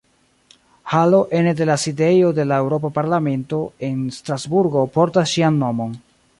Halo ene de la Sidejo de la Eŭropa Parlamento en Strasburgo portas ŝian nomon.